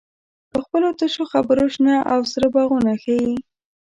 په خپلو تشو خبرو شنه او سره باغونه ښیې.